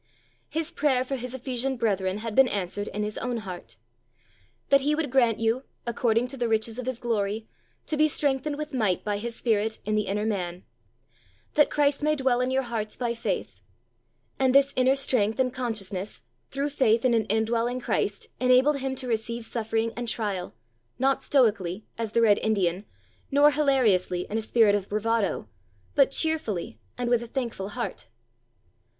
His prayer for his Ephesian brethren had been answered in his own heart: "That He would grant you, according to the riches of His glory, to be strengthened with might by His Spirit in the inner man; that Christ may dwell in your hearts by faith." And this inner strength and consciousness, through faith, in an indwelling Christ enabled him to receive suffering and trial, not stoically as the Red Indian, nor hilariously, in a spirit of bravado, but cheerfully and with a thankful heart.